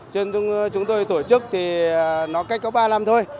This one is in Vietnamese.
cho nên chúng tôi tổ chức thì nói cách có ba năm thôi